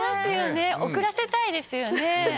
遅らせたいですよね。